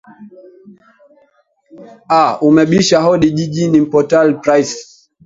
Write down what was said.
a umebisha hodi jijini portal prince